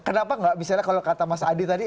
kenapa nggak misalnya kalau kata mas adi tadi